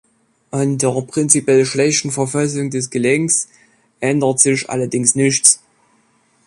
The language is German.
An der prinzipiell schlechten Verfassung des Gelenkes ändert sich allerdings nichts.